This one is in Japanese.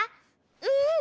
うん。